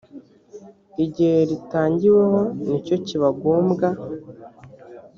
igihe ritangiweho nicyo kibangombwa